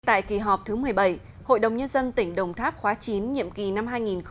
tại kỳ họp thứ một mươi bảy hội đồng nhân dân tỉnh đồng tháp khóa chín nhiệm kỳ năm hai nghìn một mươi sáu hai nghìn hai mươi một